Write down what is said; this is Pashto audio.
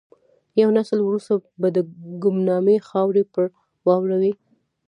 یو نسل وروسته به د ګمنامۍ خاورې پر واوړي.